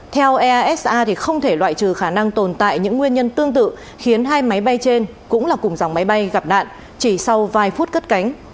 theo easa không thể loại trừ khả năng tồn tại những nguyên nhân tương tự khiến hai máy bay trên cũng là cùng dòng máy bay gặp nạn chỉ sau vài phút cất cánh